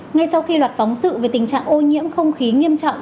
ngay sau khi loạt phóng sự về tình trạng ô nhiễm không khí nghiêm trọng